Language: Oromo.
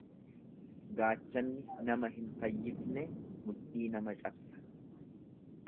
Gaachanni nama hin fayyifne mudhii nama cabsa.